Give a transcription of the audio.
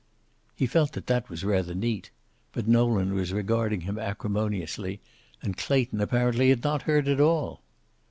He felt that that was rather neat. But Nolan was regarding him acrimoniously, and Clayton apparently had not heard at all.